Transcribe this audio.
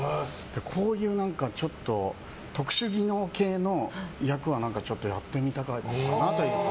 こういうちょっと特殊技能系の役はちょっとやってみたかったなというか。